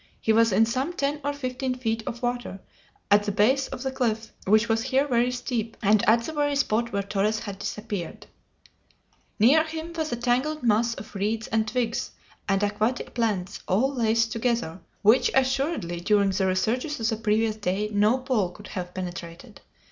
He was in some ten or fifteen feet of water, at the base of the cliff, which was here very steep, and at the very spot where Torres had disappeared. Near him was a tangled mass of reeds and twigs and aquatic plants, all laced together, which assuredly during the researches of the previous day no pole could have penetrated.